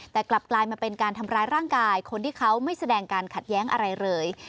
แต่กลับกลายมาเป็นการทำร้ายร่างกายคนที่เขาไม่แสดงการขัดแย้งอะไรเลย